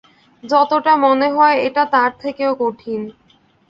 যতটা মনে হয় এটা তার থেকেও কঠিন।